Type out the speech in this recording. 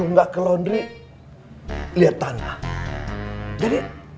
angkat seseorang dan